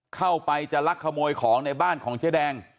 เข้าไปจะลักขโมยของในบ้านของเจ๊แดง